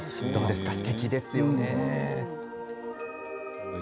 すてきですよね。